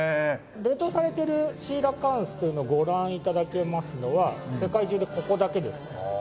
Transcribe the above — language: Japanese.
冷凍されてるシーラカンスというのをご覧頂けますのは世界中でここだけですね。